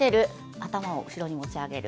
頭を後ろに持ち上げる。